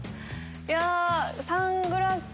いやサングラス。